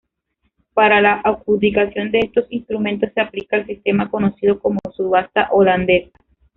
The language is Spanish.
Para la adjudicación de estos instrumentos se aplica el sistema conocido como subasta holandesa.